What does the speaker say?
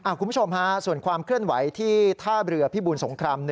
คุณผู้ชมฮะส่วนความเคลื่อนไหวที่ท่าเรือพิบูลสงคราม๑